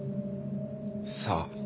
さあ。